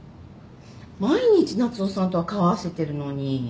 毎日夏雄さんとは顔合わせてるのに。